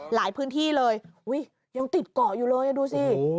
หลายพื้นที่เลยยังติดเกาะอยู่เลยดูสิ